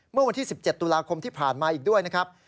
เมื่อวันที่๑๗ตุลาคมที่ผ่านมาอีกด้วยนะครับ